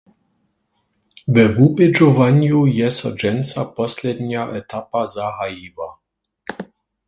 We wubědźowanju je so dźensa poslednja etapa zahajiła.